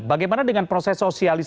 bagaimana dengan proses sosialis